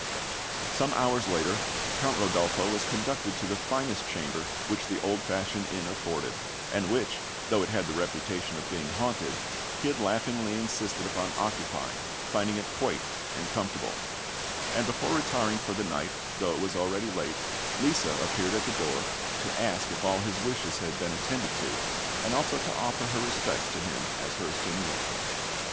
Some hours later, Count Rodolpho was conducted to the finest chamber which the old fashioned inn afforded, and which, though it had the reputation of being haunted, he had laughingly insisted upon occupying, finding it quaint and comfortable; and before retiring for the night, though it was already late, Lisa appeared at the door, to ask if all his wishes had been attended to, and also to offer her respects to him as her Seigneur.